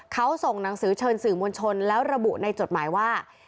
เขาส่งหนังสือเชิญสื่อมวลชนแล้วระบุในจดหมายว่า